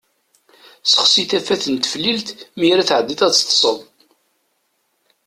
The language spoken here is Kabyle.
Sexsi tafat n teftilt mi ara tɛeddiḍ ad teṭṭseḍ.